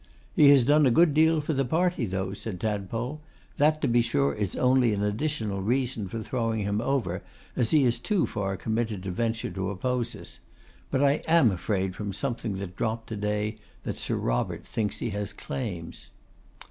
'He has done a good deal for the party, though,' said Tadpole. 'That, to be sure, is only an additional reason for throwing him over, as he is too far committed to venture to oppose us. But I am afraid from something that dropped to day, that Sir Robert thinks he has claims.